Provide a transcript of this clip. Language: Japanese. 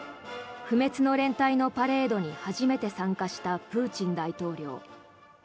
不滅の連隊のパレードに初めて参加したプーチン大統領。